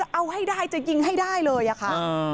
เอาให้ได้จะยิงให้ได้เลยอะค่ะ